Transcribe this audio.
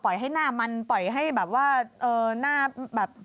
ให้หน้ามันปล่อยให้แบบว่าหน้าแบบ